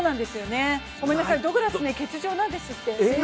ごめんなさい、ド・グラス欠場なんですって。